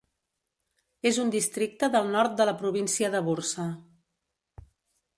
És un districte del nord de la província de Bursa.